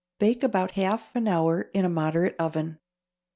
Bake about half an hour in a moderate oven.